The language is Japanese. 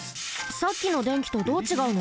さっきの電気とどうちがうの？